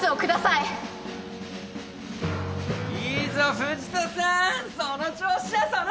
いいぞ藤田さん！